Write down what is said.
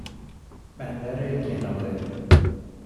بندر گناوه